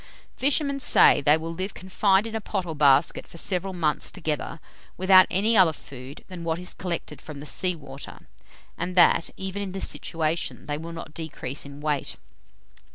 Fishermen say that they will live confined in a pot or basket for several months together, without any other food than what is collected from the sea water; and that, even in this situation, they will not decrease in weight.